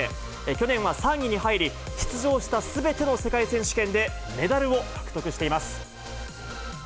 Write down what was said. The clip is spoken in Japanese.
去年は３位に入り、出場したすべての世界選手権でメダルを獲得しています。